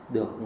được lợi dụng